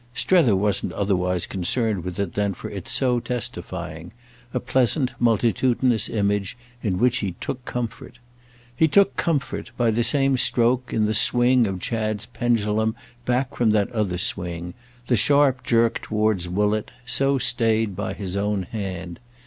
Strether wasn't otherwise concerned with it than for its so testifying—a pleasant multitudinous image in which he took comfort. He took comfort, by the same stroke, in the swing of Chad's pendulum back from that other swing, the sharp jerk towards Woollett, so stayed by his own hand.